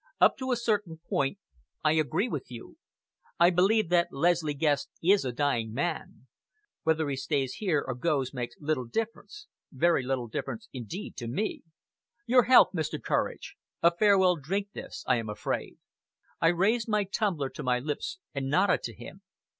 "Up to a certain point, I agree with you. I believe that Leslie Guest is a dying man. Whether he stays here or goes makes little difference very little difference indeed to me. Your health, Mr. Courage! A farewell drink this, I am afraid!" I raised my tumbler to my lips, and nodded to him.